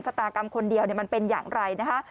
ตากรรมคนเดียวมันเป็นอย่างไรนะคะ